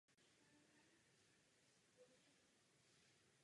Financuje rovněž mezinárodní vědecké projekty.